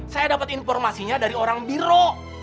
saya dapat informasinya dari orang biro